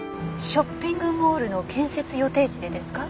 ショッピングモールの建設予定地でですか？